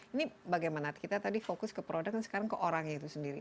ini bagaimana kita tadi fokus ke produk dan sekarang ke orangnya itu sendiri